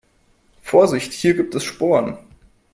Vorsicht, hier gibt es Sporen.